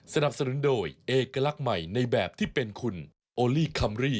สนับสนุนโดยเอกลักษณ์ใหม่ในแบบที่เป็นคุณโอลี่คัมรี่